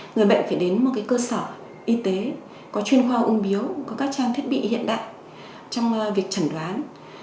người bệnh phải đến một cơ sở y tế có chuyên khoa ung biếu có các trang thiết bị hiện đại trong việc chẩn đoán